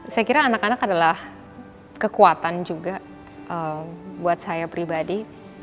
saya kira anak anak adalah kekuatan juga buat saya pribadi